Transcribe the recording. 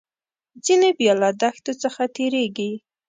ځینې بیا له دښتو څخه تیریږي.